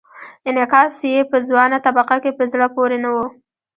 انعکاس یې په ځوانه طبقه کې په زړه پورې نه و.